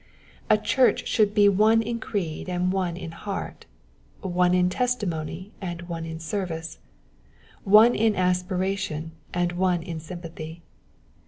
'' A church should be one in creed and one in heart, one in testimony and one in service, one in aspiration and one in sympathy.